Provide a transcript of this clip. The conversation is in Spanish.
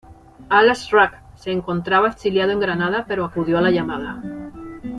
Al-Azraq se encontraba exiliado en Granada pero acudió a la llamada.